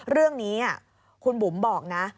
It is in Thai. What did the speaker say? เรื่องนี้คุณบุ๋มบอกนะ